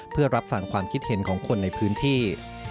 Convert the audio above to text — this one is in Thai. เพื่อรับฟังความคิดเห็นของคนในพื้นที่